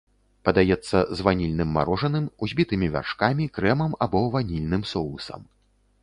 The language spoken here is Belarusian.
Падаецца з ванільным марожаным, узбітымі вяршкамі, крэмам або ванільным соусам.